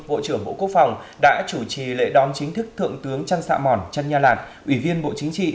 bộ trưởng bộ quốc phòng đã chủ trì lễ đón chính thức thượng tướng trang sạ mòn trân nha lạt ủy viên bộ chính trị